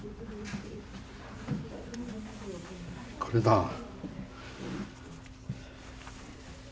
これだ。